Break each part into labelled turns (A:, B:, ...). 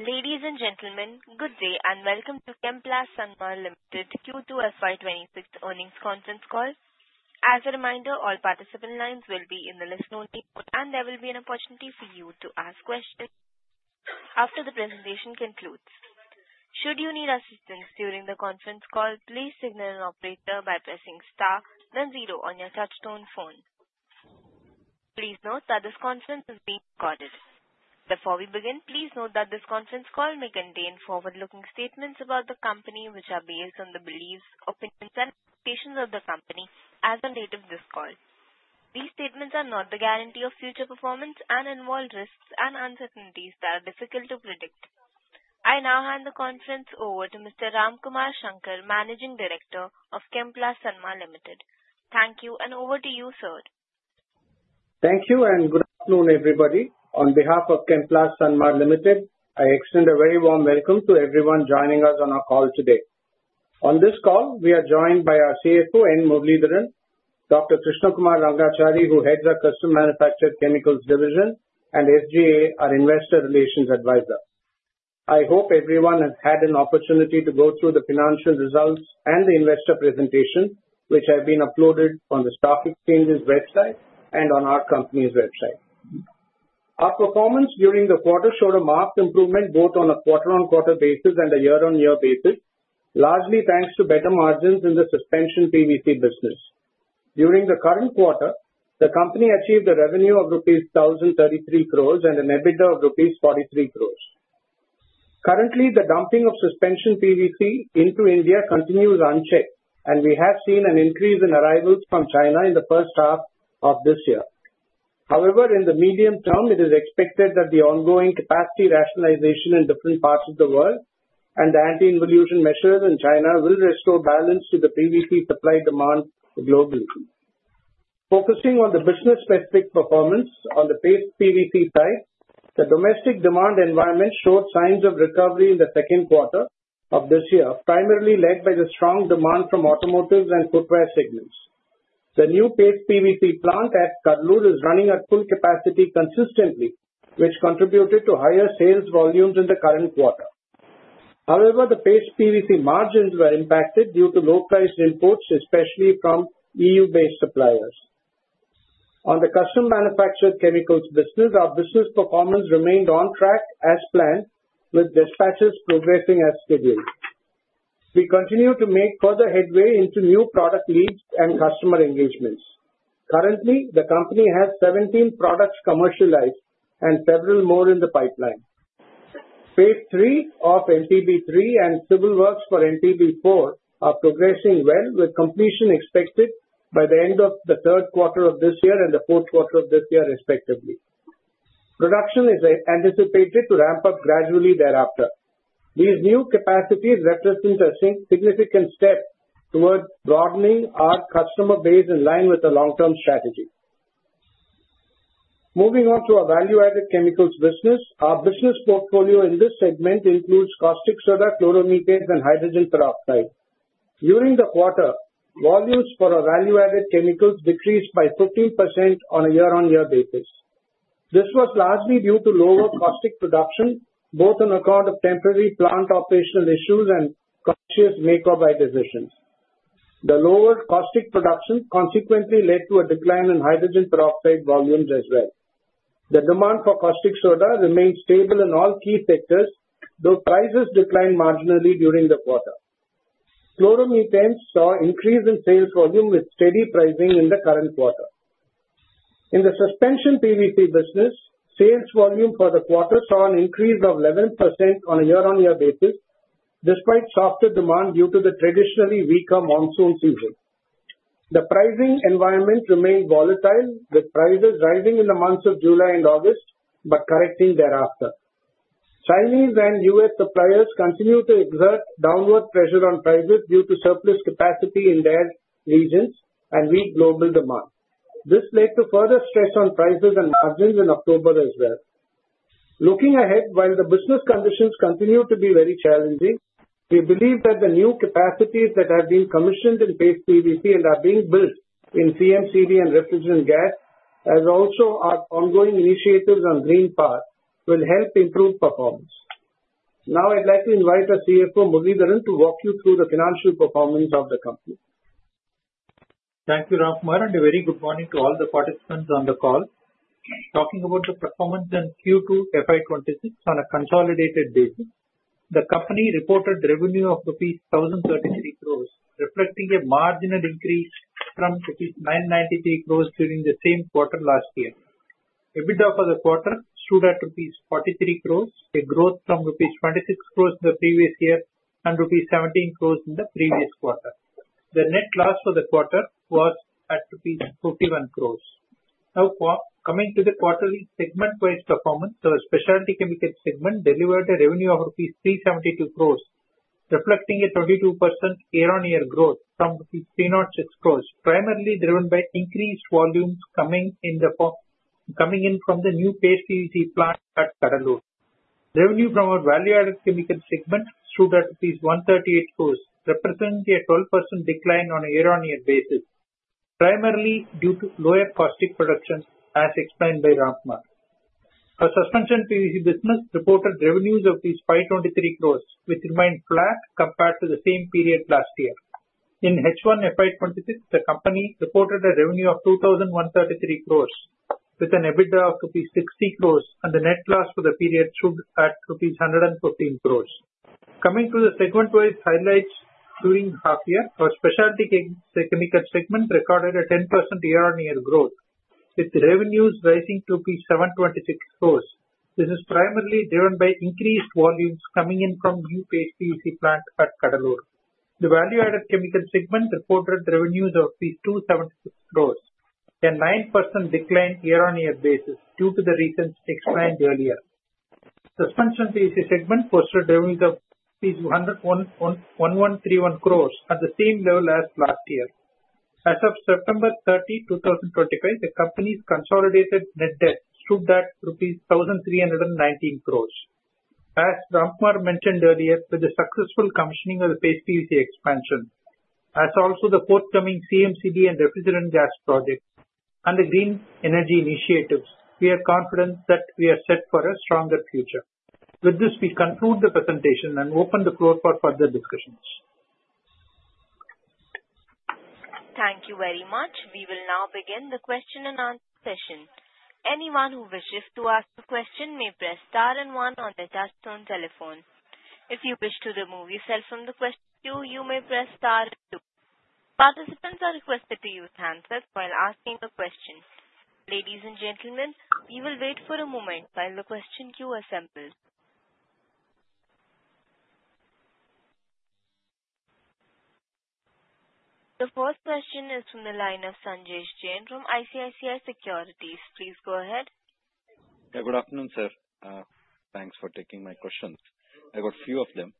A: Ladies and gentlemen, good day and welcome to Chemplast Sanmar Limited Q2 FY26 earnings conference call. As a reminder, all participant lines will be in the listen-only mode, and there will be an opportunity for you to ask questions after the presentation concludes. Should you need assistance during the conference call, please signal an operator by pressing star, then zero on your touch-tone phone. Please note that this conference is being recorded. Before we begin, please note that this conference call may contain forward-looking statements about the company, which are based on the beliefs, opinions, and expectations of the company as of the date of this call. These statements are not the guarantee of future performance and involve risks and uncertainties that are difficult to predict. I now hand the conference over to Mr. Ramkumar Shankar, Managing Director of Chemplast Sanmar Limited. Thank you, and over to you, sir.
B: Thank you, and good afternoon, everybody. On behalf of Chemplast Sanmar Limited, I extend a very warm welcome to everyone joining us on our call today. On this call, we are joined by our CFO N. Muralidharan, Dr. Krishna Kumar Rangachari, who heads our Custom Manufactured Chemicals division and SGA, our Investor Relations Advisor. I hope everyone has had an opportunity to go through the financial results and the investor presentation, which have been uploaded on the stock exchange's website and on our company's website. Our performance during the quarter showed a marked improvement both on a quarter-on-quarter basis and a year-on-year basis, largely thanks to better margins in the suspension PVC business. During the current quarter, the company achieved a revenue of rupees 1,033 crores and a net profit of rupees 43 crores. Currently, the dumping of Suspension PVC into India continues unchecked, and we have seen an increase in arrivals from China in the first half of this year. However, in the medium term, it is expected that the ongoing capacity rationalization in different parts of the world and the anti-involution measures in China will restore balance to the PVC supply-demand globally. Focusing on the business-specific performance on the PVC side, the domestic demand environment showed signs of recovery in the second quarter of this year, primarily led by the strong demand from automotive and footwear segments. The new PVC plant at Cuddalore is running at full capacity consistently, which contributed to higher sales volumes in the current quarter. However, the PVC margins were impacted due to low-priced imports, especially from EU-based suppliers. On the Custom Manufactured Chemicals business, our business performance remained on track as planned, with dispatches progressing as scheduled. We continue to make further headway into new product leads and customer engagements. Currently, the company has 17 products commercialized and several more in the pipeline. Phase III of MPP3 and civil works for MPP4 are progressing well, with completion expected by the end of the third quarter of this year and the fourth quarter of this year, respectively. Production is anticipated to ramp up gradually thereafter. These new capacities represent a significant step toward broadening our customer base in line with the long-term strategy. Moving on to our value-added chemicals business, our business portfolio in this segment includes caustic soda, chloromethanes, and hydrogen peroxide. During the quarter, volumes for our value-added chemicals decreased by 15% on a year-on-year basis. This was largely due to lower caustic production, both on account of temporary plant operational issues and conscious makeover decisions. The lower caustic production consequently led to a decline in hydrogen peroxide volumes as well. The demand for caustic soda remained stable in all key sectors, though prices declined marginally during the quarter. Chloromethanes saw an increase in sales volume with steady pricing in the current quarter. In the suspension PVC business, sales volume for the quarter saw an increase of 11% on a year-on-year basis, despite softer demand due to the traditionally weaker monsoon season. The pricing environment remained volatile, with prices rising in the months of July and August but correcting thereafter. Chinese and U.S. suppliers continue to exert downward pressure on prices due to surplus capacity in their regions and weak global demand. This led to further stress on prices and margins in October as well. Looking ahead, while the business conditions continue to be very challenging, we believe that the new capacities that have been commissioned in PVC and are being built in CMCD and refrigerant gas, as well as our ongoing initiatives on green power, will help improve performance. Now, I'd like to invite our CFO, Natarajan Muralidharan, to walk you through the financial performance of the company.
C: Thank you, Ramkumar, and a very good morning to all the participants on the call. Talking about the performance in Q2 FY26 on a consolidated basis, the company reported revenue of rupees 1,033 crores, reflecting a marginal increase from rupees 993 crores during the same quarter last year. EBITDA for the quarter stood at rupees 43 crores, a growth from rupees 26 crores in the previous year and rupees 17 crores in the previous quarter. The net loss for the quarter was at rupees 41 crores. Now, coming to the quarterly segment-wise performance, our specialty chemicals segment delivered a revenue of rupees 372 crores, reflecting a 22% year-on-year growth from rupees 306 crores, primarily driven by increased volumes coming in from the new PVC plant at Cuddalore. Revenue from our value-added chemicals segment stood at rupees 138 crores, representing a 12% decline on a year-on-year basis, primarily due to lower caustic production, as explained by Ramkumar. Our Suspension PVC business reported revenues of 523 crores, which remained flat compared to the same period last year. In H1 FY26, the company reported a revenue of 2,133 crores, with an EBITDA of rupees 60 crores, and the net loss for the period stood at rupees 114 crores. Coming to the segment-wise highlights during the half-year, our specialty chemicals segment recorded a 10% year-on-year growth, with revenues rising to 726 crores. This is primarily driven by increased volumes coming in from new PVC plant at Cuddalore. The value-added chemicals segment reported revenues of 276 crores, a 9% decline year-on-year basis due to the reasons explained earlier. Suspension PVC segment posted revenues of 1,131 crores, at the same level as last year. As of September 30, 2025, the company's consolidated net debt stood at rupees 1,319 crores. As Ramkumar mentioned earlier, with the successful commissioning of the PVC expansion, as well as the forthcoming CMCD and refrigerant gas projects, and the green energy initiatives, we are confident that we are set for a stronger future. With this, we conclude the presentation and open the floor for further discussions.
A: Thank you very much. We will now begin the question-and-answer session. Anyone who wishes to ask a question may press star and one on the touch-tone telephone. If you wish to remove yourself from the question queue, you may press star and two. Participants are requested to use handsets while asking a question. Ladies and gentlemen, we will wait for a moment while the question queue assembles. The first question is from the line of Sanjesh Jain from ICICI Securities. Please go ahead.
D: Yeah, good afternoon, sir. Thanks for taking my questions. I got a few of them.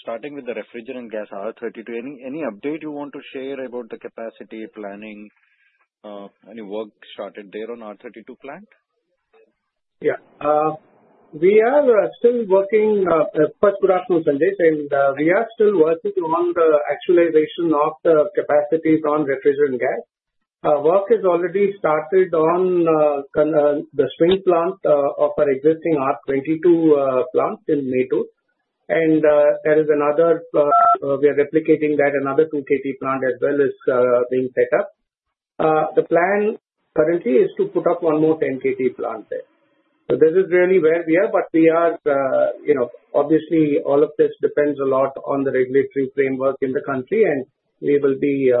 D: Starting with the refrigerant gas R-32, any update you want to share about the capacity planning, any work started there on R-32 plant?
B: Yeah. We are still working first production on Sunday, and we are still working on the utilization of the capacities on refrigerant gas. Work has already started on the swing plant of our existing R-22 plant in Mettur, and there is another—we are replicating that. Another 2KT plant as well is being set up. The plan currently is to put up one more 10KT plant there. So this is really where we are, but we are obviously—all of this depends a lot on the regulatory framework in the country, and we will be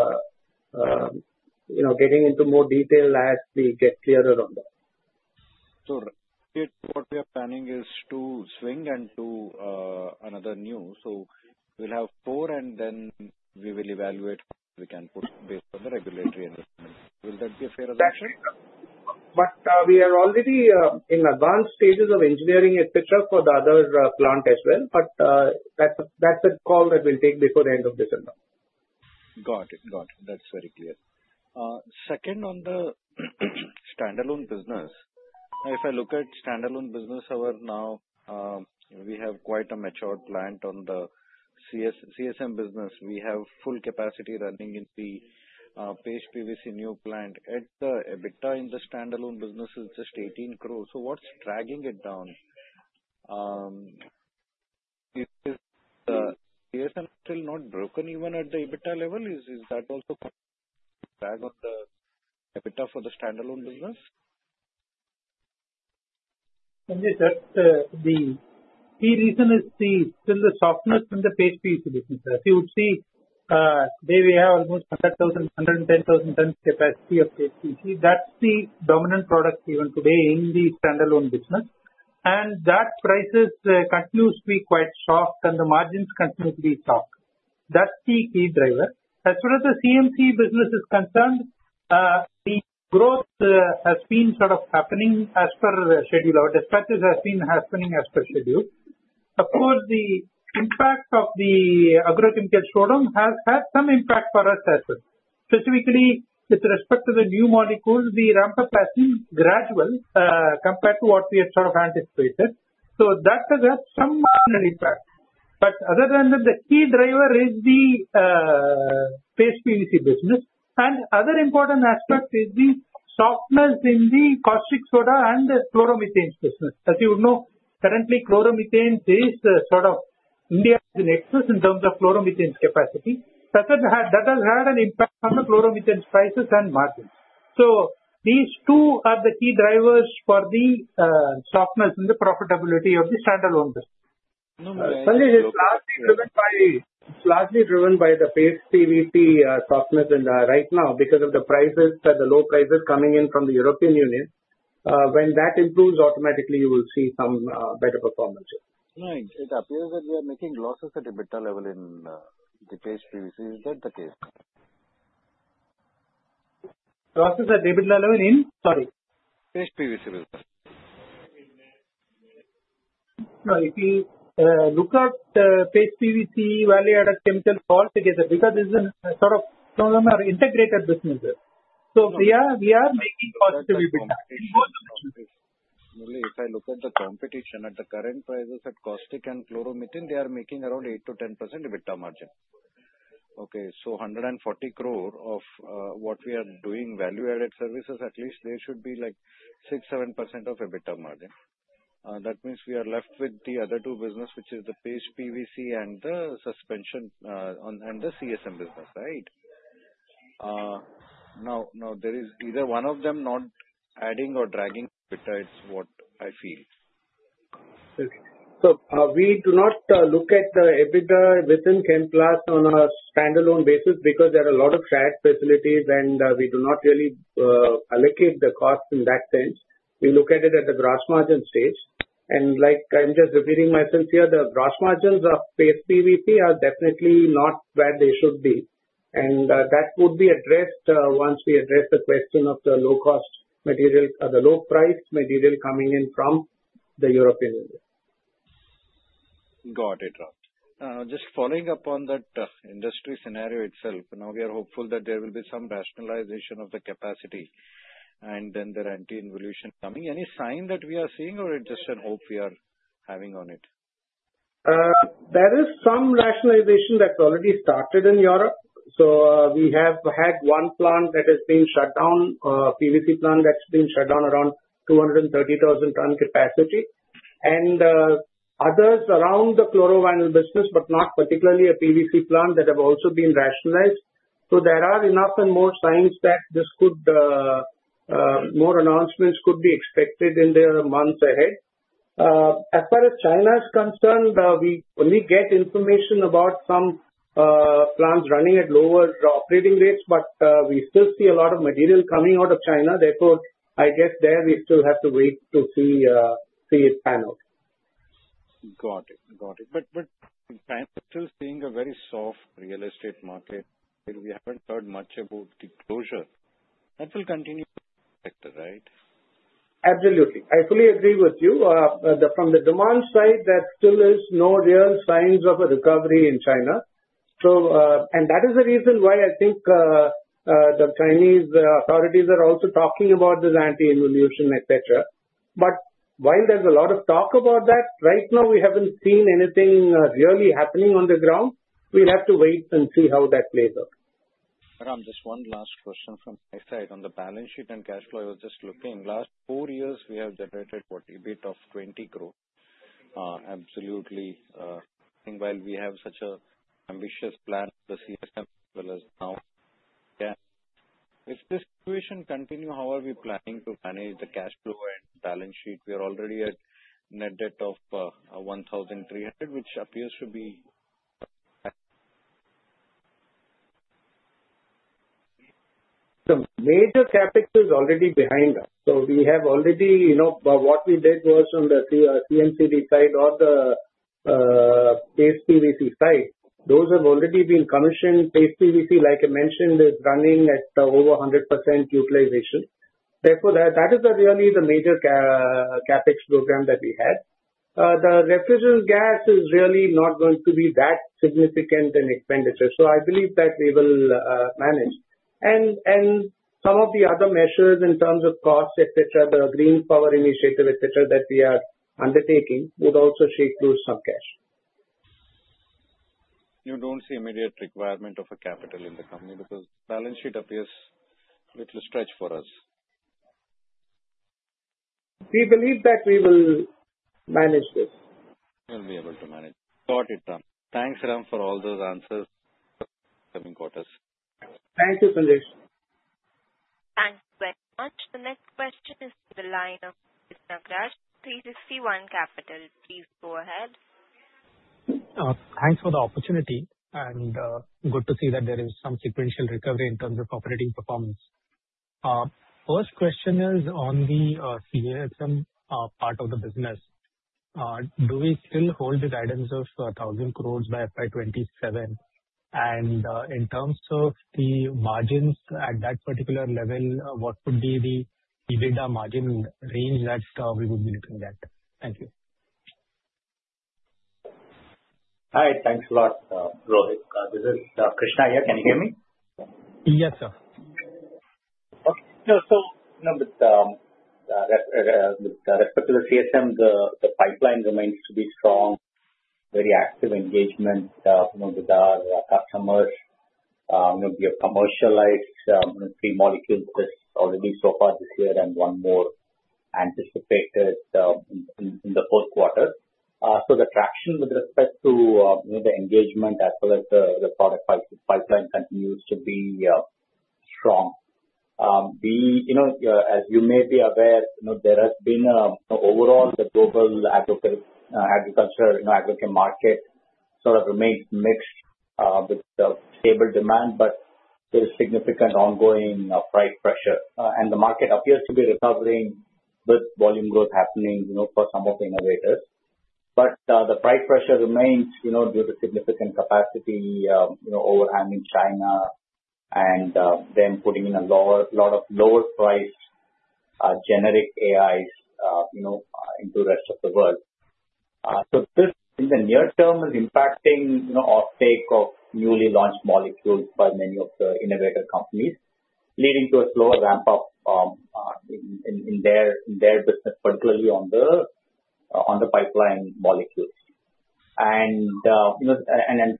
B: getting into more detail as we get clearer on that.
D: So what we are planning is two swing and two other new. So we'll have four, and then we will evaluate what we can put based on the regulatory environment. Will that be a fair assessment?
B: Actually, but we are already in advanced stages of engineering, etc., for the other plant as well, but that's a call that we'll take before the end of December.
D: Got it. Got it. That's very clear. Second, on the standalone business, if I look at standalone business overall now, we have quite a mature plant on the CSM business. We have full capacity running in the PVC new plant. And the EBITDA in the standalone business is just 18 crores. So what's dragging it down? Is the CSM still not broken even at the EBITDA level? Is that also dragging on the EBITDA for the standalone business?
B: Sanjesh, the key reason is still the softness in the PVC business. As you would see, today we have almost 110,000 tons capacity of PVC. That's the dominant product even today in the standalone business. And that price continues to be quite soft, and the margins continue to be soft. That's the key driver. As far as the CMC business is concerned, the growth has been sort of happening as per schedule. Our dispatches have been happening as per schedule. Of course, the impact of the agrochemical slowdown has had some impact for us as well. Specifically, with respect to the new molecules, the ramp-up has been gradual compared to what we had sort of anticipated. So that has had some impact. But other than that, the key driver is the PVC business. And another important aspect is the softness in the caustic soda and the chloromethanes business. As you know, currently, chloromethanes is sort of India's nexus in terms of chloromethanes capacity. That has had an impact on the chloromethanes prices and margins. So these two are the key drivers for the softness and the profitability of the standalone business. Sanjesh, it's largely driven by the PVC softness right now because of the prices, the low prices coming in from the European Union. When that improves automatically, you will see some better performance.
C: Right. It appears that we are making losses at EBITDA level in the PVC. Is that the case?
B: Losses at EBITDA level in? Sorry.
D: PVC business.
B: Now, if you look at PVC, value-added chemicals also together because it's a sort of integrated business. So we are making positive EBITDA in both directions.
D: Only if I look at the competition at the current prices at caustic and chloromethanes, they are making around 8%-10% EBITDA margin. Okay. So 140 crore of what we are doing value-added services, at least there should be like 6%-7% of EBITDA margin. That means we are left with the other two businesses, which are the PVC and the suspension and the CSM business, right? Now, there is either one of them not adding or dragging EBITDA, it's what I feel.
B: So we do not look at the EBITDA within Chemplast on a standalone basis because there are a lot of shared facilities, and we do not really allocate the cost in that sense. We look at it at the gross margin stage. And like I'm just repeating myself here, the gross margins of PVC are definitely not where they should be. And that would be addressed once we address the question of the low-cost material or the low-price material coming in from the European Union.
D: Got it, Ramkumar. Just following up on that industry scenario itself, now we are hopeful that there will be some rationalization of the capacity and then there are anti-involution coming. Any sign that we are seeing, or it's just an hope we are having on it?
B: There is some rationalization that's already started in Europe. So we have had one plant that has been shut down, a PVC plant that's been shut down around 230,000-ton capacity, and others around the chloro-vinyl business, but not particularly a PVC plant that have also been rationalized. So there are enough and more signs that this could. More announcements could be expected in the months ahead. As far as China is concerned, we only get information about some plants running at lower operating rates, but we still see a lot of material coming out of China. Therefore, I guess there we still have to wait to see it pan out.
D: Got it. Got it. But in fact, still seeing a very soft real estate market. We haven't heard much about the closure. That will continue in the sector, right?
B: Absolutely. I fully agree with you. From the demand side, there still is no real signs of a recovery in China. And that is the reason why I think the Chinese authorities are also talking about this anti-involution, etc. But while there's a lot of talk about that, right now we haven't seen anything really happening on the ground. We'll have to wait and see how that plays out.
D: Ramkumar, just one last question from my side. On the balance sheet and cash flow, I was just looking. Last four years, we have generated what, EBIT of 20 crore, absolutely. While we have such an ambitious plan, the CSM as well as now. If this situation continues, how are we planning to manage the cash flow and balance sheet? We are already at net debt of 1,300 crore, which appears to be.
B: The major capital is already behind us. So we have already—what we did was on the CMCD side or the PVC side, those have already been commissioned. PVC, like I mentioned, is running at over 100% utilization. Therefore, that is really the major CapEx program that we had. The refrigerant gas is really not going to be that significant an expenditure. So I believe that we will manage. And some of the other measures in terms of cost, etc., the green power initiative, etc., that we are undertaking would also shake loose some cash.
D: You don't see immediate requirement of a capital in the company because balance sheet appears a little stretched for us.
B: We believe that we will manage this.
D: We'll be able to manage. Got it, Ramkumar. Thanks, Ram, for all those answers. Coming quarters.
B: Thank you, Sanjesh.
A: Thanks very much. The next question is to the line of Rohit Nagraj from Centrum Broking. Please go ahead.
E: Thanks for the opportunity, and good to see that there is some sequential recovery in terms of operating performance. First question is on the CSM part of the business. Do we still hold the guidance of 1,000 crores by FY27? And in terms of the margins at that particular level, what would be the EBITDA margin range that we would be looking at? Thank you.
F: Hi, thanks a lot, Rohit. This is Krishna. Can you hear me?
E: Yes, sir.
F: So with respect to the CSM, the pipeline remains to be strong, very active engagement with our customers. We have commercialized three molecules already so far this year and one more anticipated in the fourth quarter. So the traction with respect to the engagement as well as the product pipeline continues to be strong. As you may be aware, there has been overall the global agriculture market sort of remains mixed with stable demand, but there is significant ongoing price pressure. And the market appears to be recovering with volume growth happening for some of the innovators. But the price pressure remains due to significant capacity overhang in China and then putting in a lot of lower-priced generic AIs into the rest of the world. So this in the near term is impacting offtake of newly launched molecules by many of the innovator companies, leading to a slower ramp-up in their business, particularly on the pipeline molecules. And a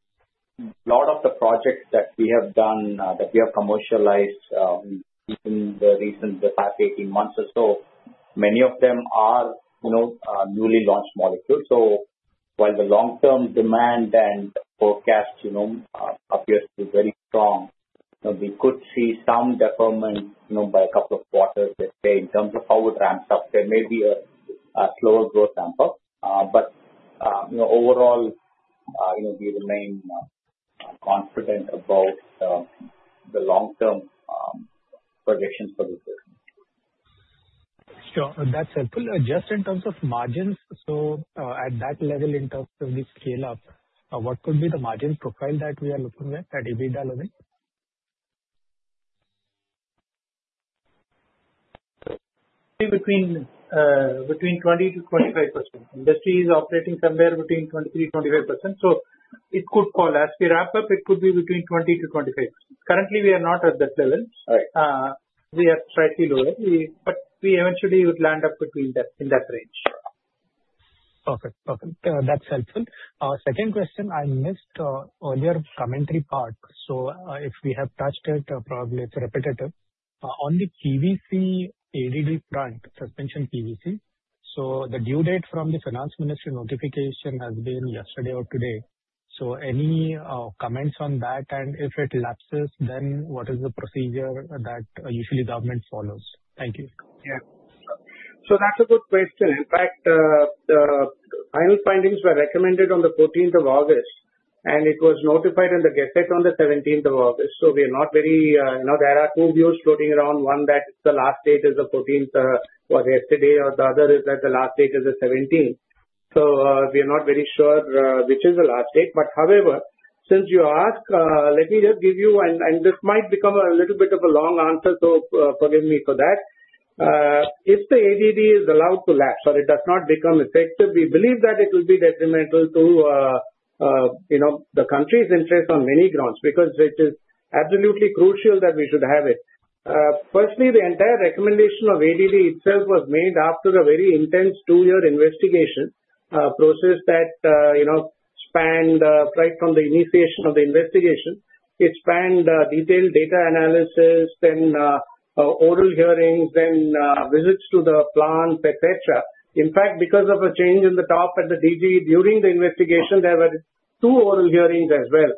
F: lot of the projects that we have done, that we have commercialized in the recent past 18 months or so, many of them are newly launched molecules. So while the long-term demand and forecast appears to be very strong, we could see some deferment by a couple of quarters. Let's say in terms of how it ramps up, there may be a slower growth ramp-up. But overall, we remain confident about the long-term projections for this business.
E: Sure. That's helpful. Just in terms of margins, so at that level in terms of the scale-up, what could be the margin profile that we are looking at at EBITDA level?
B: Between 20%-25%. Industry is operating somewhere between 23%-25%. So it could fall. As we ramp up, it could be between 20%-25%. Currently, we are not at that level. We are slightly lower, but we eventually would land up in that range.
E: Perfect. Perfect. That's helpful. Second question, I missed earlier commentary part. So if we have touched it, probably it's repetitive. On the PVC ADD front, suspension PVC, so the due date from the Finance Ministry notification has been yesterday or today. So any comments on that? And if it lapses, then what is the procedure that usually government follows? Thank you.
B: Yeah, so that's a good question. In fact, the final findings were recommended on the 14th of August, and it was notified in the Gazette on the 17th of August, so we are not very, there are two views floating around. One that the last date is the 14th was yesterday, or the other is that the last date is the 17th, so we are not very sure which is the last date, but however, since you asked, let me just give you, and this might become a little bit of a long answer, so forgive me for that. If the ADD is allowed to lapse or it does not become effective, we believe that it will be detrimental to the country's interests on many grounds because it is absolutely crucial that we should have it. Firstly, the entire recommendation of ADD itself was made after a very intense two-year investigation process that spanned right from the initiation of the investigation. It spanned detailed data analysis, then oral hearings, then visits to the plants, etc. In fact, because of a change in the top at the DG during the investigation, there were two oral hearings as well.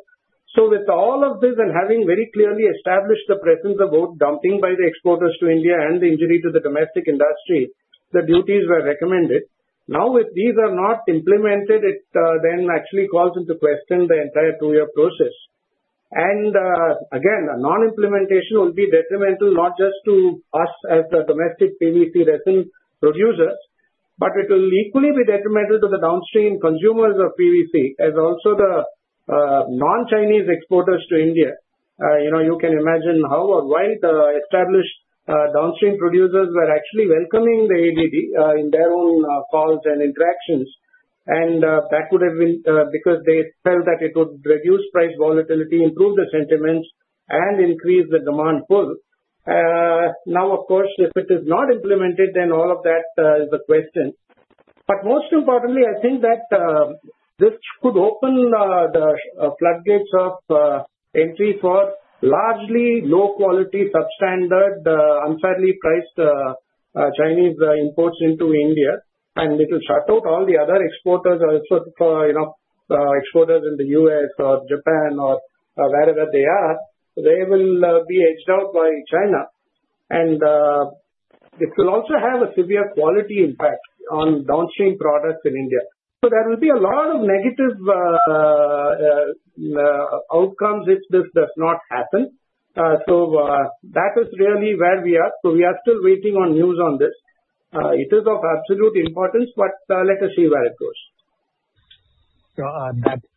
B: So with all of this and having very clearly established the presence of both dumping by the exporters to India and the injury to the domestic industry, the duties were recommended. Now, if these are not implemented, it then actually calls into question the entire two-year process. And again, a non-implementation will be detrimental not just to us as the domestic PVC resin producers, but it will equally be detrimental to the downstream consumers of PVC, as also the non-Chinese exporters to India. You can imagine how or why the established downstream producers were actually welcoming the ADD in their own calls and interactions. And that would have been because they felt that it would reduce price volatility, improve the sentiments, and increase the demand pull. Now, of course, if it is not implemented, then all of that is the question. But most importantly, I think that this could open the floodgates of entry for largely low-quality, substandard, unfairly priced Chinese imports into India. And it will shut out all the other exporters, also exporters in the U.S. or Japan or wherever they are. They will be edged out by China. And this will also have a severe quality impact on downstream products in India. So there will be a lot of negative outcomes if this does not happen. So that is really where we are. So we are still waiting on news on this. It is of absolute importance, but let us see where it goes.
E: Sure.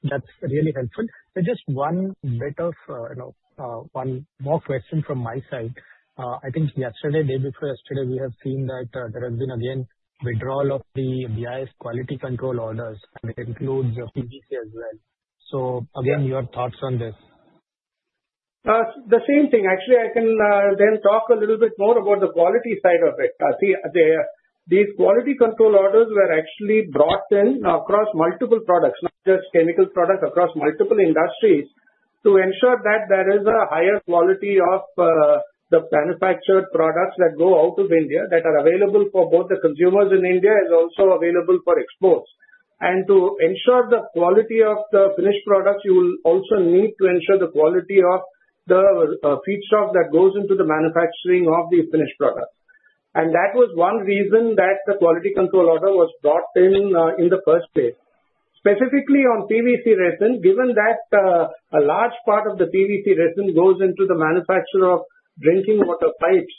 E: That's really helpful. Just one bit of one more question from my side. I think yesterday, day before yesterday, we have seen that there has been again withdrawal of the BIS quality control orders, and it includes PVC as well. So again, your thoughts on this?
B: The same thing. Actually, I can then talk a little bit more about the quality side of it. These quality control orders were actually brought in across multiple products, not just chemical products, across multiple industries to ensure that there is a higher quality of the manufactured products that go out of India that are available for both the consumers in India and also available for exports, and to ensure the quality of the finished products, you will also need to ensure the quality of the feedstock that goes into the manufacturing of the finished products, and that was one reason that the quality control order was brought in in the first place. Specifically on PVC resin, given that a large part of the PVC resin goes into the manufacture of drinking water pipes,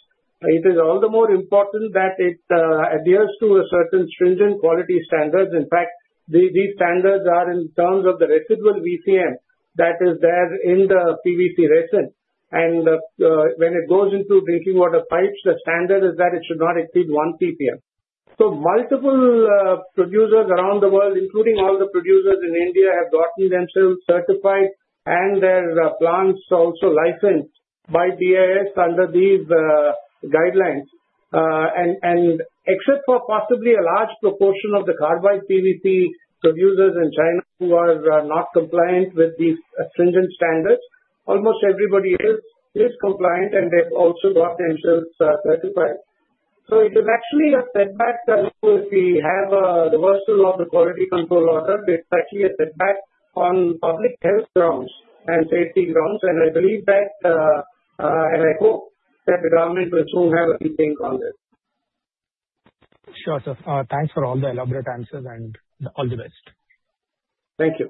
B: it is all the more important that it adheres to a certain stringent quality standards. In fact, these standards are in terms of the residual VCM that is there in the PVC resin. And when it goes into drinking water pipes, the standard is that it should not exceed 1 PPM. So multiple producers around the world, including all the producers in India, have gotten themselves certified and their plants also licensed by BIS under these guidelines. And except for possibly a large proportion of the carbide PVC producers in China who are not compliant with these stringent standards, almost everybody else is compliant, and they've also got themselves certified. So it is actually a setback if we have a reversal of the quality control order. It's actually a setback on public health grounds and safety grounds. And I believe that, and I hope that the government will soon have a meeting on this.
E: Sure. So thanks for all the elaborate answers and all the best.
B: Thank you.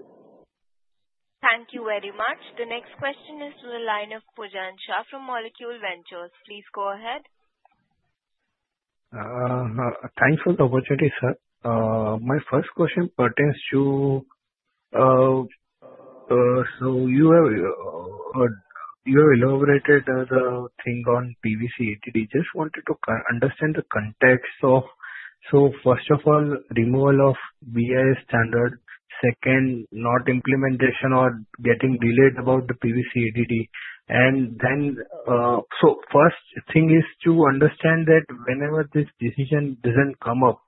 A: Thank you very much. The next question is to the line of Pujan Shah from Molecule Ventures. Please go ahead.
G: Thanks for the opportunity, sir. My first question pertains to so you have elaborated the thing on PVC ADD. Just wanted to understand the context. So first of all, removal of BIS standard. Second, not implementation or getting delayed about the PVC ADD. And then so first thing is to understand that whenever this decision doesn't come up,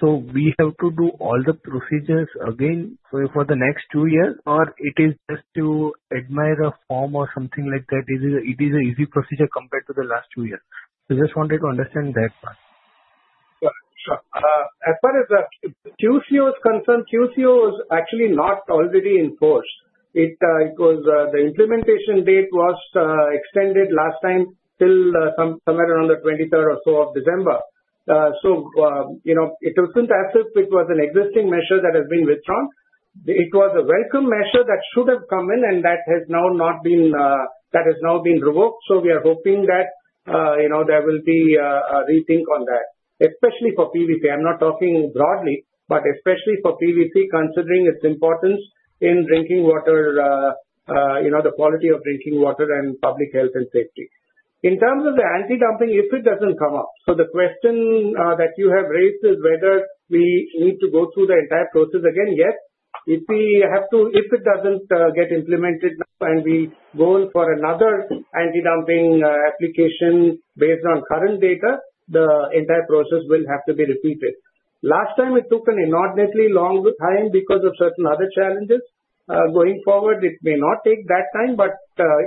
G: so we have to do all the procedures again for the next two years, or it is just a mere form or something like that. It is an easy procedure compared to the last two years. So just wanted to understand that part.
B: Sure. Sure. As far as QCO is concerned, QCO was actually not already enforced. The implementation date was extended last time till somewhere around the 23rd or so of December. So it wasn't as if it was an existing measure that has been withdrawn. It was a welcome measure that should have come in, and that has now been revoked. So we are hoping that there will be a rethink on that, especially for PVC. I'm not talking broadly, but especially for PVC, considering its importance in drinking water, the quality of drinking water, and public health and safety. In terms of the anti-dumping, if it doesn't come up, so the question that you have raised is whether we need to go through the entire process again. Yes, if we have to, if it doesn't get implemented and we go for another anti-dumping application based on current data, the entire process will have to be repeated. Last time, it took an inordinately long time because of certain other challenges. Going forward, it may not take that time, but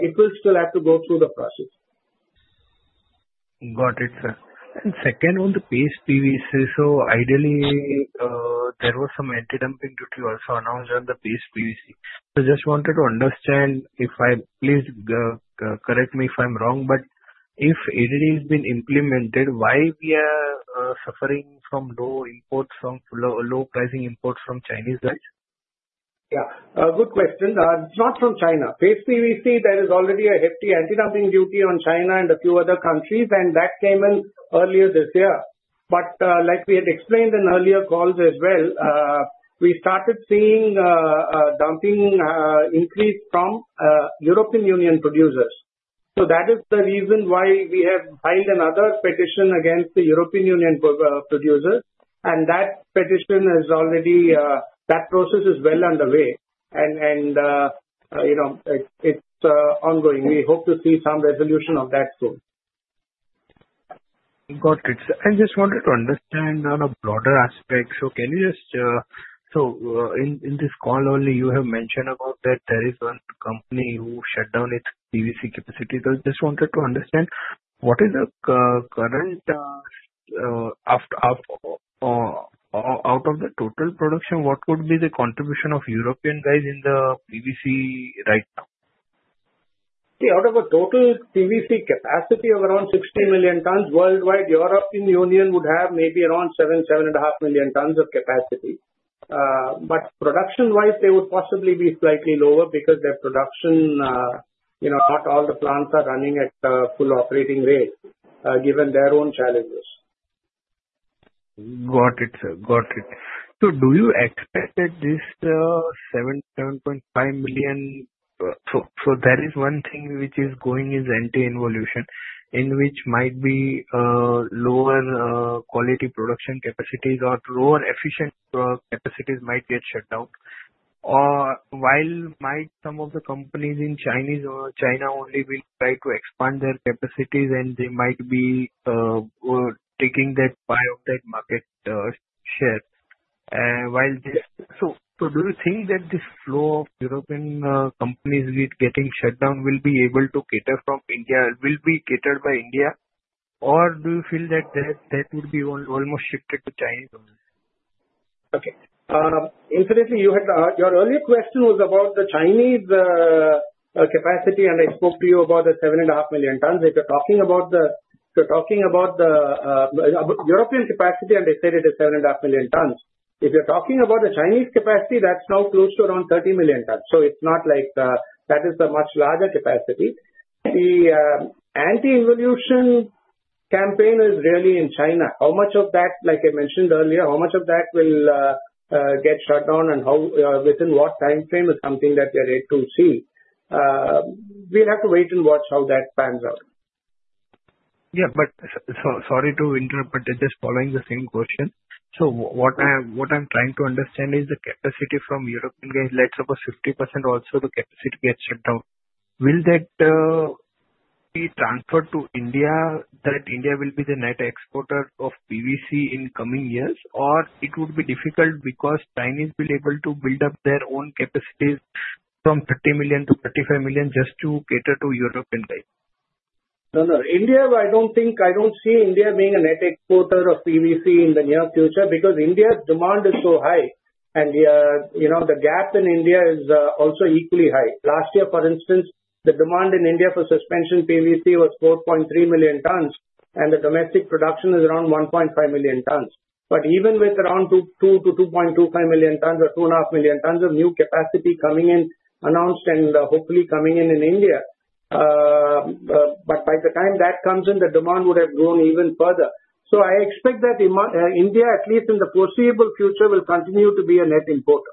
B: it will still have to go through the process.
G: Got it, sir. And second on the Paste PVC, so ideally, there was some anti-dumping duty also announced on the Paste PVC. So just wanted to understand, please correct me if I'm wrong, but if it has been implemented, why we are suffering from low-priced imports from Chinese guys?
B: Yeah. Good question. It's not from China. Paste PVC, there is already a hefty anti-dumping duty on China and a few other countries, and that came in earlier this year, but like we had explained in earlier calls as well, we started seeing dumping increase from European Union producers, so that is the reason why we have filed another petition against the European Union producers, and that petition is already, that process is well underway, and it's ongoing. We hope to see some resolution of that soon.
G: Got it. I just wanted to understand on a broader aspect. So can you just in this call only, you have mentioned about that there is one company who shut down its PVC capacity. So I just wanted to understand what is the current out of the total production, what would be the contribution of European guys in the PVC right now?
B: See, out of a total PVC capacity of around 60 million tons worldwide, the European Union would have maybe around 7, 7 and a half million tons of capacity, but production-wise, they would possibly be slightly lower because their production, not all the plants are running at full operating rate given their own challenges.
G: Got it, sir. Got it. So do you expect that this 7million-7.5 million so there is one thing which is going is Anti-Involution in which might be lower quality production capacities or lower efficient capacities might get shut down. Or while might some of the companies in China only will try to expand their capacities, and they might be taking that pie of that market share. So do you think that this flow of European companies getting shut down will be able to cater from India will be catered by India, or do you feel that that would be almost shifted to China?
B: Okay. Incidentally, your earlier question was about the Chinese capacity, and I spoke to you about the seven and a half million tons. If you're talking about the European capacity, and they said it is seven and a half million tons, if you're talking about the Chinese capacity, that's now close to around 30 million tons. So it's not like that is a much larger capacity. The Anti-Involution campaign is really in China. How much of that, like I mentioned earlier, how much of that will get shut down and within what timeframe is something that we are able to see? We'll have to wait and watch how that pans out.
G: Yeah. But sorry to interrupt, but just following the same question. So what I'm trying to understand is the capacity from European guys. Let's suppose 50% also the capacity gets shut down. Will that be transferred to India, that India will be the net exporter of PVC in coming years, or it would be difficult because Chinese will be able to build up their own capacities from 30 million-35 million just to cater to European guys?
B: No, no. In India, I don't think I see India being a net exporter of PVC in the near future because India's demand is so high, and the GAAP in India is also equally high. Last year, for instance, the demand in India for suspension PVC was 4.3 million tons, and the domestic production is around 1.5 million tons. But even with around 2 million-2.25 million tons or 2.5 million tons of new capacity coming in announced and hopefully coming in in India, but by the time that comes in, the demand would have grown even further. So I expect that India, at least in the foreseeable future, will continue to be a net importer.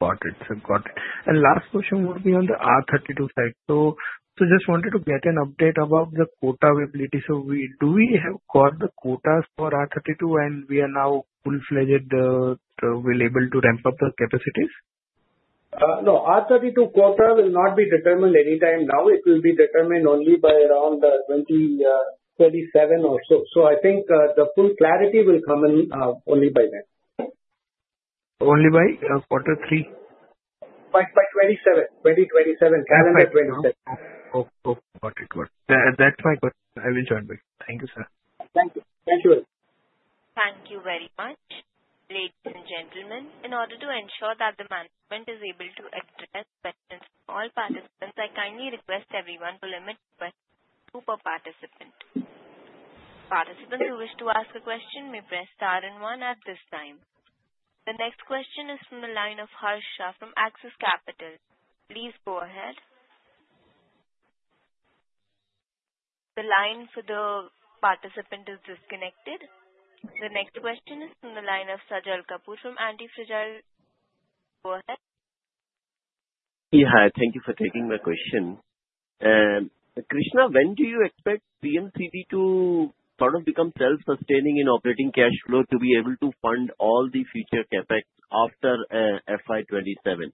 G: Got it, sir. Got it. And last question would be on the R-32 side. So just wanted to get an update about the quota availability. So do we have got the quotas for R-32, and we are now full-fledgedly able to ramp up the capacities?
B: No, R-32 quota will not be determined anytime now. It will be determined only by around 2027 or so. So I think the full clarity will come in only by then.
G: Only by quarter three?
B: By 2027. Calendar 2027.
G: Okay. Got it. Got it. That's my question. I will join back. Thank you, sir.
B: Thank you. Thank you very much.
A: Thank you very much. Ladies and gentlemen, in order to ensure that the management is able to address questions from all participants, I kindly request everyone to limit to two per participant. Participants who wish to ask a question may press star and one at this time. The next question is from the line of Harsha from Axis Capital. Please go ahead. The line for the participant is disconnected. The next question is from the line of Sajal Kapoor from Antifragile. Go ahead.
H: Yeah. Thank you for taking my question. Krishna, when do you expect CMCD to sort of become self-sustaining in operating cash flow to be able to fund all the future CapEx after FY 2027?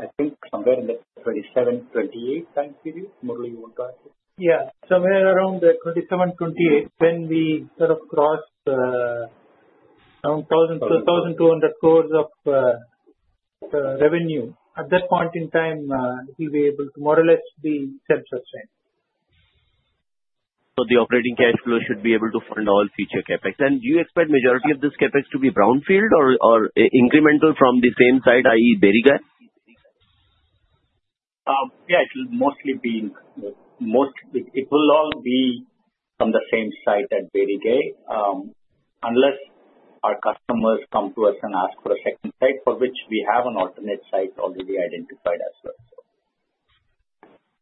F: I think somewhere in the 27-28 time period. Muralidharan, you want to add?
C: Yeah. Somewhere around the 27-28, when we sort of cross around 1,200 crores of revenue, at that point in time, we'll be able to more or less be self-sustained.
H: The operating cash flow should be able to fund all future CapEx. Do you expect majority of this CapEx to be brownfield or incremental from the same site, i.e., Berigai?
C: Yeah. It will all be from the same site at Berigai unless our customers come to us and ask for a second site for which we have an alternate site already identified as well.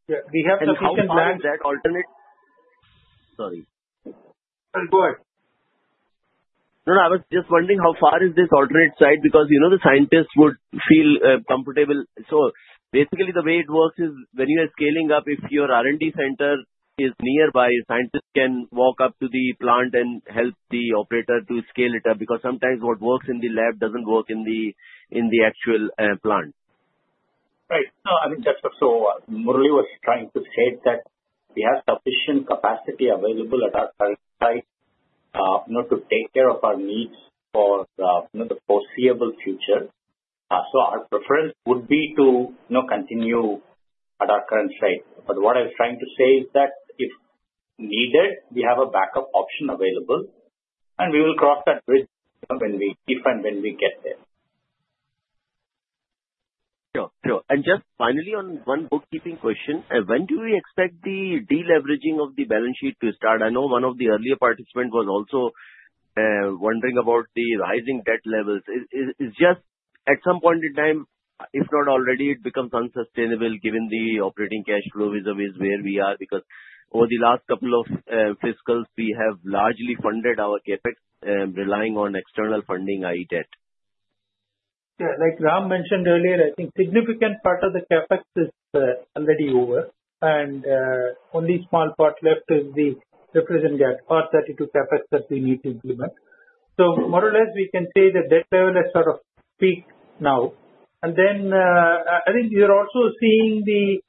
C: Yeah. We have sufficient land that alternate, sorry. Go ahead.
H: No, no. I was just wondering how far is this alternate site, because the scientists would feel comfortable. So basically, the way it works is when you are scaling-up, if your R&D center is nearby, scientists can walk up to the plant and help the operator to scale-it-up because sometimes what works in the lab doesn't work in the actual plant.
C: Right. No, I mean, just so Morali was trying to say that we have sufficient capacity available at our current site to take care of our needs for the foreseeable future. So our preference would be to continue at our current site. But what I was trying to say is that if needed, we have a backup option available, and we will cross that bridge when we get there.
H: Sure. Sure. And just finally on one bookkeeping question, when do we expect the deleveraging of the balance sheet to start? I know one of the earlier participants was also wondering about the rising debt levels. It's just at some point in time, if not already, it becomes unsustainable given the operating cash flow is where we are because over the last couple of fiscals, we have largely funded our CapEx relying on external funding, i.e., debt.
C: Yeah. Like Ram mentioned earlier, I think significant part of the CapEx is already over, and only a small part left is the represented R-32 CapEx that we need to implement. So more or less, we can say the debt level is sort of peak now. And then I think you're also seeing the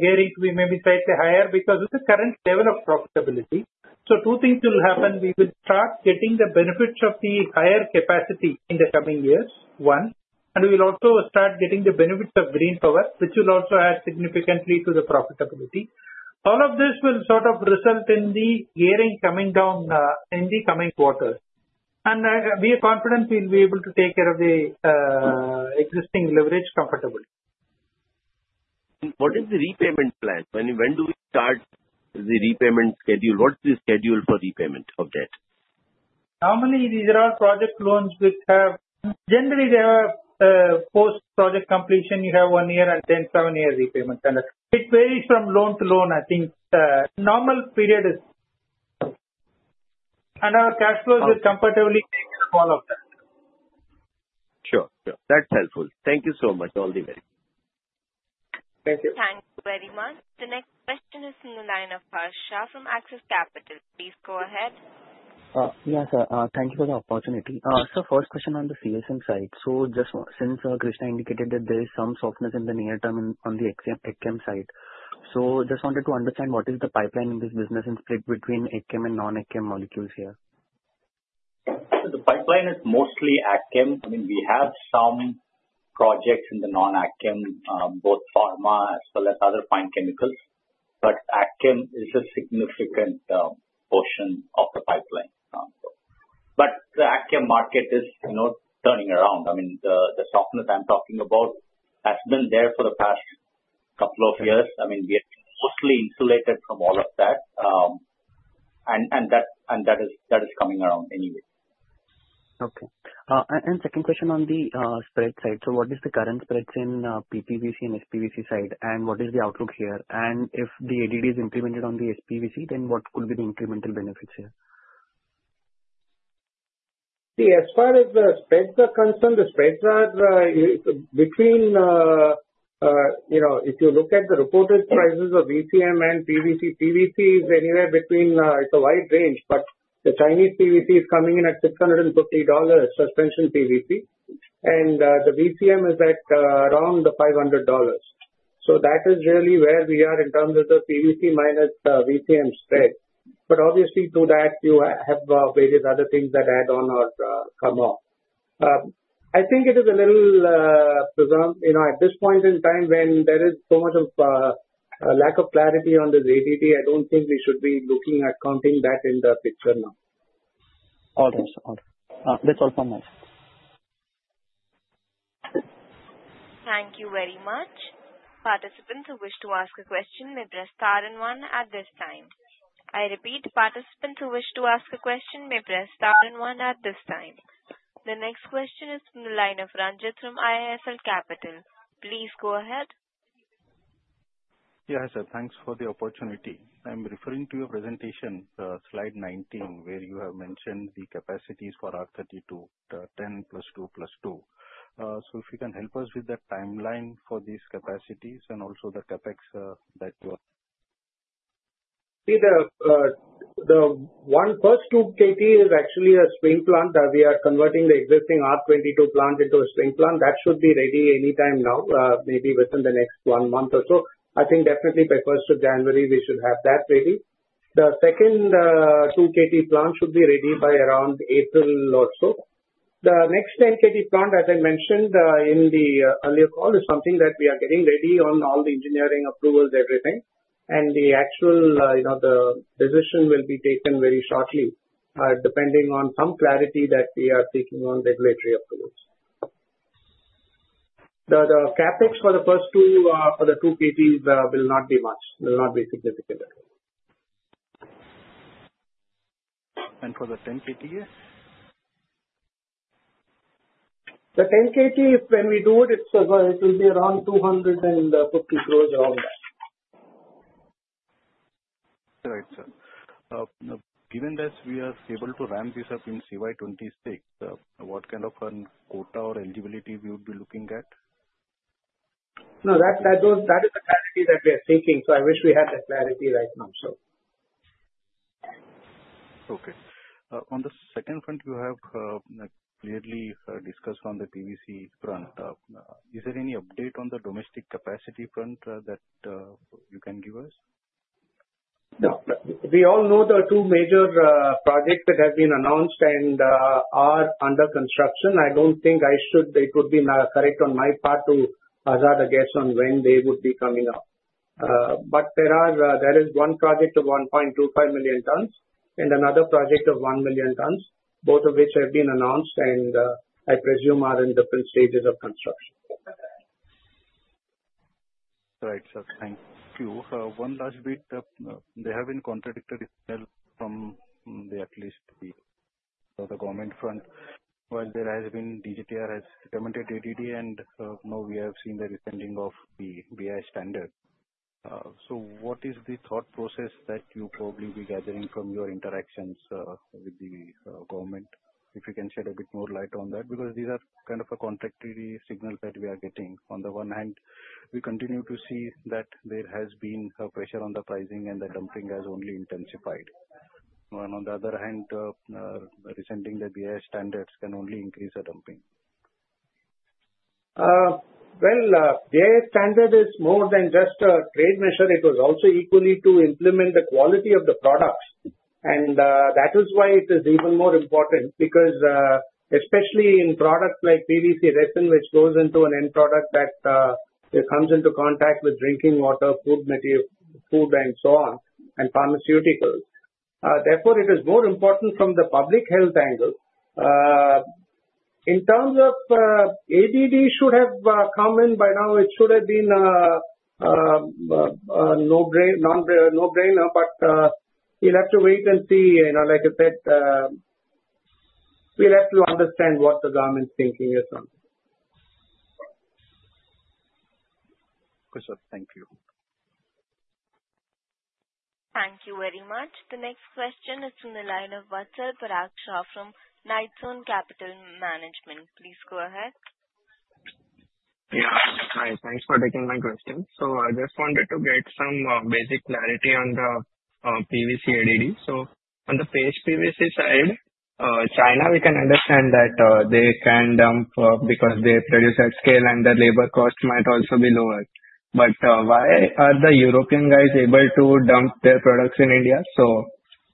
C: gearing to be maybe slightly higher because of the current level of profitability. So two things will happen. We will start getting the benefits of the higher capacity in the coming years, one, and we'll also start getting the benefits of green power, which will also add significantly to the profitability. All of this will sort of result in the gearing coming down in the coming quarters. And we are confident we'll be able to take care of the existing leverage comfortably.
H: What is the repayment plan? When do we start the repayment schedule? What's the schedule for repayment of debt?
C: Normally, these are all project loans which have generally, they have post-project completion. You have one year and then seven-year repayment, and it varies from loan to loan, I think. Normal period is, and our cash flows will comfortably take care of all of that.
H: Sure. Sure. That's helpful. Thank you so much, Muralidharan.
C: Thank you.
A: Thank you very much. The next question is from the line of Harsha from Axis Capital. Please go ahead. Yeah, sir. Thank you for the opportunity. So first question on the CSM side. So just since Krishna indicated that there is some softness in the near term on the AgChem side, so just wanted to understand what is the pipeline in this business and split between AgChem and non-AgChem molecules here?
B: So the pipeline is mostly AgChem. I mean, we have some projects in the non-AgChem, both pharma as well as other fine chemicals. But AgChem is a significant portion of the pipeline. But the AgChem market is turning around. I mean, the softness I'm talking about has been there for the past couple of years. I mean, we have mostly insulated from all of that, and that is coming around anyway. Okay. And second question on the spread side. So what is the current spreads in Paste PVC and S-PVC side, and what is the outlook here? And if the ADD is implemented on the S-PVC, then what could be the incremental benefits here?
C: See, as far as the spreads are concerned, the spreads are between if you look at the reported prices of VCM and PVC, PVC is anywhere between; it's a wide range, but the Chinese PVC is coming in at $650, suspension PVC, and the VCM is at around the $500. So that is really where we are in terms of the PVC minus VCM spread. But obviously, to that, you have various other things that add on or come off. I think it is a little presumptuous at this point in time when there is so much of a lack of clarity on this ADD. I don't think we should be looking at counting that in the picture now. All right. All right. That's all from my side.
A: Thank you very much. Participants who wish to ask a question may press star and one at this time. I repeat, participants who wish to ask a question may press star and one at this time. The next question is from the line of Ranjith from IIFL Securities. Please go ahead. Yeah, sir. Thanks for the opportunity. I'm referring to your presentation, slide 19, where you have mentioned the capacities for R-32, 10 plus two plus two. So if you can help us with that timeline for these capacities and also the CapEx that you are.
C: See, the one first 2KT is actually a Swing Plant. We are converting the existing R-22 plant into a Swing Plant. That should be ready anytime now, maybe within the next one month or so. I think definitely by 1st of January, we should have that ready. The second 2KT plant should be ready by around April or so. The next 10KT plant, as I mentioned in the earlier call, is something that we are getting ready on all the engineering approvals, everything, and the actual decision will be taken very shortly, depending on some clarity that we are seeking on regulatory approvals. The CapEx for the first two for the 2KT will not be much, will not be significant. For the 10KT, yes? The 10KT, when we do it, it will be around 250 crores, around that. All right, sir. Given that we are able to ramp this up in CY26, what kind of quota or eligibility we would be looking at? No, that is the clarity that we are seeking. So I wish we had that clarity right now, so. Okay. On the second front, you have clearly discussed on the PVC front. Is there any update on the domestic capacity front that you can give us? No. We all know there are two major projects that have been announced and are under construction. I don't think it would be correct on my part to hazard a guess on when they would be coming up. But there is one project of 1.25 million tons and another project of one million tons, both of which have been announced and I presume are in different stages of construction. All right, sir. Thank you. One last bit. There have been contradictory signals from at least the government front, while there has been DGTR has recommended ADD, and now we have seen the rescinding of the BIS standard. So what is the thought process that you probably be gathering from your interactions with the government, if you can shed a bit more light on that? Because these are kind of contradictory signals that we are getting. On the one hand, we continue to see that there has been pressure on the pricing, and the dumping has only intensified. And on the other hand, rescinding the BIS standards can only increase the dumping. BIS standard is more than just a trade measure. It was also equally to implement the quality of the products. And that is why it is even more important because especially in products like PVC resin, which goes into an end product that comes into contact with drinking water, food material, food, and so on, and pharmaceuticals. Therefore, it is more important from the public health angle. In terms of ADD should have come in by now, it should have been a no-brainer, but we'll have to wait and see. Like I said, we'll have to understand what the government's thinking is on. Okay, sir. Thank you.
A: Thank you very much. The next question is from the line of Vatsal Shah from Knightstone Capital Management. Please go ahead.
I: Yeah. Hi. Thanks for taking my question. So I just wanted to get some basic clarity on the PVC ADD. So on the Paste PVC side, China, we can understand that they can dump because they produce at scale, and the labor cost might also be lower. But why are the European guys able to dump their products in India? So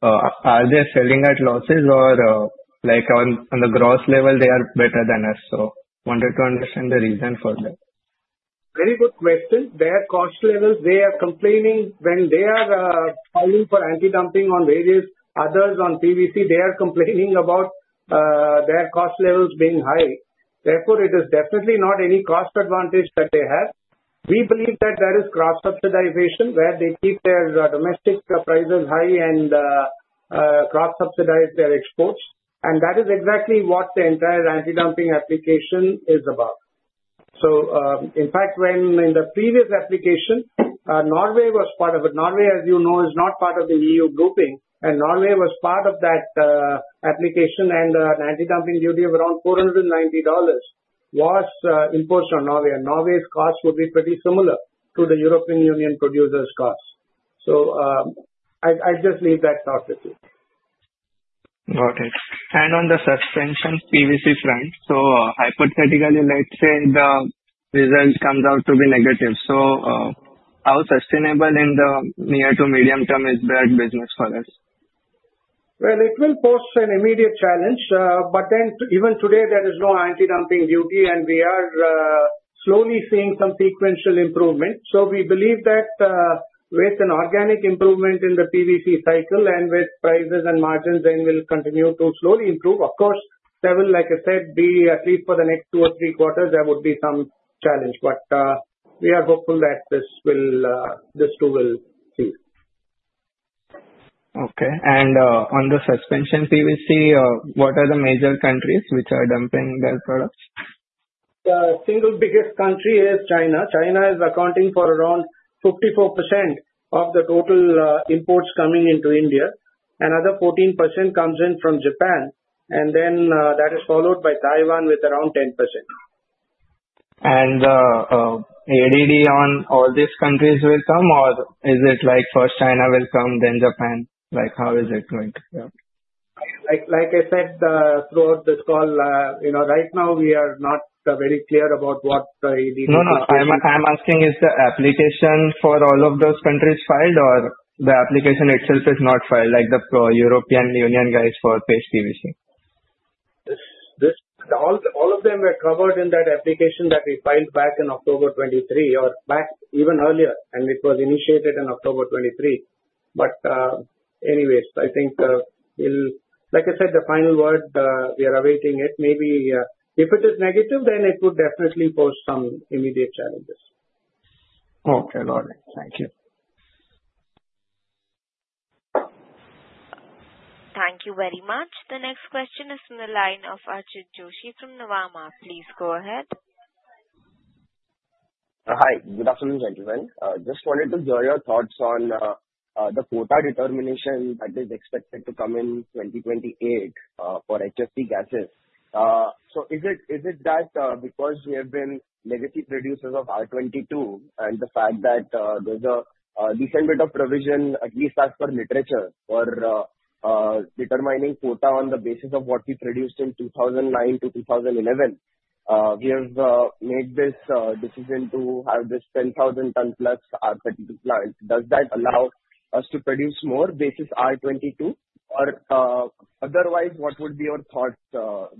I: are they selling at losses, or on the gross level, they are better than us? So wanted to understand the reason for that.
C: Very good question. Their cost levels, they are complaining when they are calling for anti-dumping on various others on PVC, they are complaining about their cost levels being high. Therefore, it is definitely not any cost advantage that they have. We believe that there is cross-subsidization where they keep their domestic prices high and cross-subsidize their exports. And that is exactly what the entire anti-dumping application is about. So in fact, when in the previous application, Norway was part of it. Norway, as you know, is not part of the EU grouping. And Norway was part of that application, and an anti-dumping duty of around $490 was imposed on Norway. And Norway's cost would be pretty similar to the European Union producers' cost. So I'll just leave that thought with you.
I: Okay. And on the Suspension PVC front, so hypothetically, let's say the result comes out to be negative. So how sustainable in the near to medium term is that business for us?
C: Well, it will pose an immediate challenge. But then even today, there is no anti-dumping duty, and we are slowly seeing some sequential improvement. So we believe that with an organic improvement in the PVC cycle and with prices and margins, then we'll continue to slowly improve. Of course, there will, like I said, be at least for the next two or three quarters, there would be some challenge. But we are hopeful that this too will see.
I: Okay. And on the Suspension PVC, what are the major countries which are dumping their products?
C: The single biggest country is China. China is accounting for around 54% of the total imports coming into India. Another 14% comes in from Japan. And then that is followed by Taiwan with around 10%.
I: ADD on all these countries will come, or is it like first China will come, then Japan? How is it going?
C: Like I said throughout this call, right now, we are not very clear about what the ADD will do.
I: No, no. I'm asking, is the application for all of those countries filed, or the application itself is not filed, like the European Union guys for Paste PVC?
C: All of them were covered in that application that we filed back in October 2023 or back even earlier, and it was initiated in October 2023. But anyways, I think we'll, like I said, the final word, we are awaiting it. Maybe if it is negative, then it would definitely pose some immediate challenges.
I: Okay. All right. Thank you.
A: Thank you very much. The next question is from the line of Archit Joshi from Nuvama. Please go ahead.
J: Hi. Good afternoon, gentlemen. Just wanted to hear your thoughts on the quota determination that is expected to come in 2028 for HFC gases. So is it that because we have been legacy producers of R-22 and the fact that there's a decent bit of provision, at least as per literature, for determining quota on the basis of what we produced in 2009 to 2011, we have made this decision to have this 10,000-ton plus R-32 plant? Does that allow us to produce more basis R-22? Or otherwise, what would be your thoughts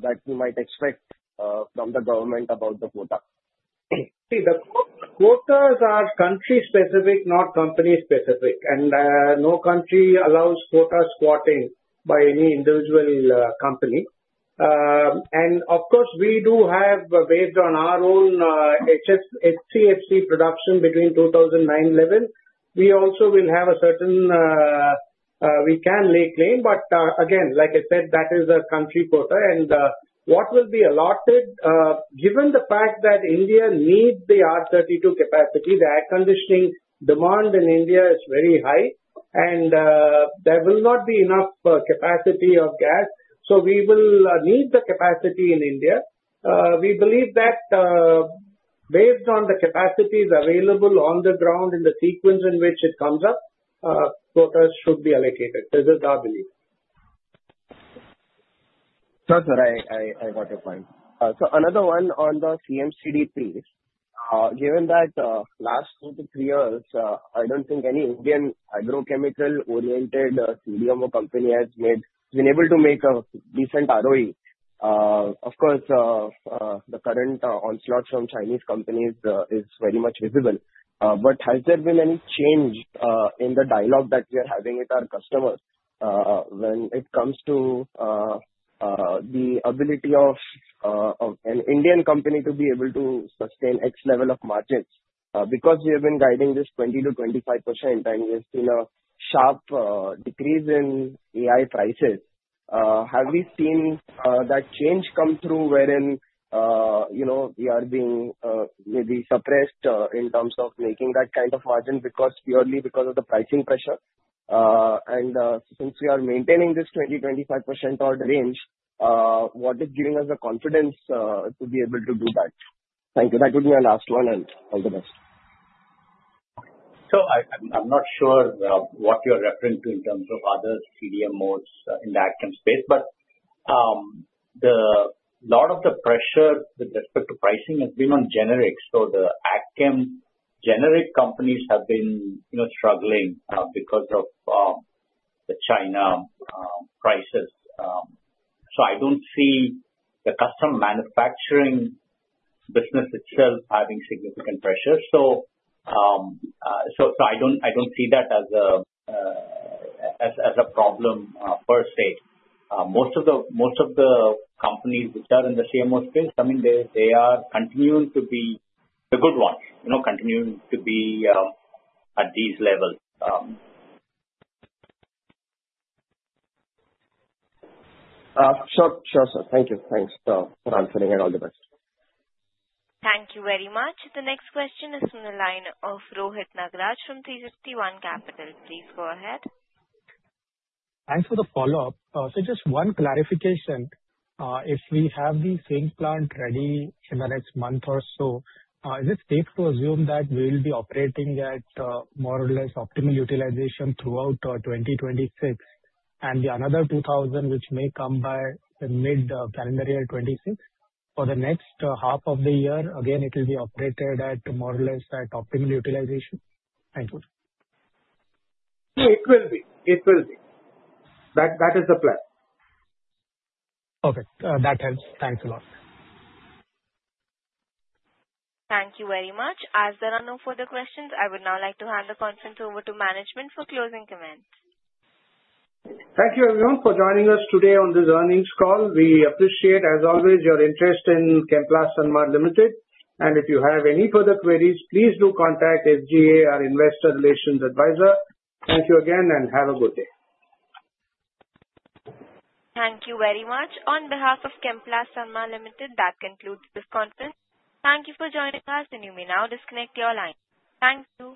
J: that we might expect from the government about the quota?
C: See, the quotas are country-specific, not company-specific. And no country allows quota squatting by any individual company. And of course, we do have, based on our own HCFC production between 2009 and 2011, we also will have a certain we can lay claim. But again, like I said, that is a country quota. And what will be allotted, given the fact that India needs the R-32 capacity, the air conditioning demand in India is very high, and there will not be enough capacity of gas. So we will need the capacity in India. We believe that based on the capacities available on the ground in the sequence in which it comes up, quotas should be allocated. This is our belief.
J: Sir, I got your point. So another one on the CMCD piece. Given that last two to three years, I don't think any Indian agrochemical-oriented CDMO company has been able to make a decent ROE. Of course, the current onslaught from Chinese companies is very much visible. But has there been any change in the dialogue that we are having with our customers when it comes to the ability of an Indian company to be able to sustain X level of margins? Because we have been guiding this 20%-25%, and we have seen a sharp decrease in AI prices, have we seen that change come through wherein we are being maybe suppressed in terms of making that kind of margin purely because of the pricing pressure? And since we are maintaining this 20%-25% odd range, what is giving us the confidence to be able to do that? Thank you. That would be my last one, and all the best.
C: So I'm not sure what you're referring to in terms of other CDMOs in the AgChem space, but a lot of the pressure with respect to pricing has been on generics. So the AgChem generic companies have been struggling because of the China prices. So I don't see the Custom Manufacturing business itself having significant pressure. So I don't see that as a problem per se. Most of the companies which are in the CMO space, I mean, they are continuing to be the good ones, continuing to be at these levels.
J: Sure. Sure, sir. Thank you. Thanks for answering it. All the best.
A: Thank you very much. The next question is from the line of Rohit Nagraj from Centrum Broking. Please go ahead.
E: Thanks for the follow-up. So just one clarification. If we have the same plant ready in the next month or so, is it safe to assume that we will be operating at more or less optimal utilization throughout 2026 and the another 2,000 which may come by mid-calendar year 2026? For the next half of the year, again, it will be operated at more or less optimal utilization? Thank you.
C: Yeah, it will be. It will be. That is the plan.
E: Okay. That helps. Thanks a lot.
A: Thank you very much. As there are no further questions, I would now like to hand the conference over to management for closing comment.
C: Thank you, everyone, for joining us today on this earnings call. We appreciate, as always, your interest in Chemplast Sanmar Limited, and if you have any further queries, please do contact SGA, our investor relations advisor. Thank you again, and have a good day.
A: Thank you very much. On behalf of Chemplast Sanmar Limited, that concludes this conference. Thank you for joining us, and you may now disconnect your line. Thank you.